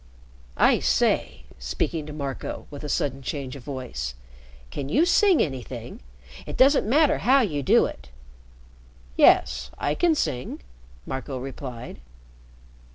I say," speaking to Marco with a sudden change of voice, "can you sing anything? It doesn't matter how you do it." "Yes, I can sing," Marco replied.